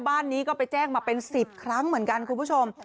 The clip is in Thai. บ้านนี้ก็ไปแจ้งมาเป็น๑๐ครั้งเหมือนกันคุณผู้ชม